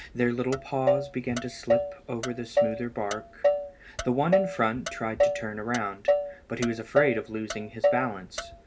Their little paws began to slip over the smoother bark. The one in front tried to turn around, but he was afraid of losing his balance.